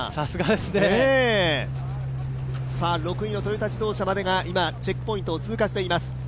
６位のトヨタ自動車までがチェックポイントを通過しています。